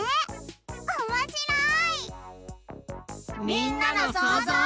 みんなのそうぞう。